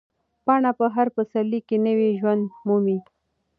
پاڼه په هر پسرلي کې نوی ژوند مومي.